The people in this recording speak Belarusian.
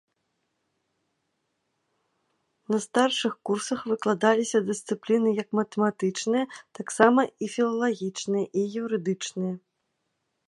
На старшых курсах выкладаліся дысцыпліны як матэматычныя, таксама і філалагічныя і юрыдычныя.